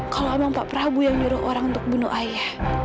kalau emang pak prabowo yang nyuruh orang untuk bunuh ayah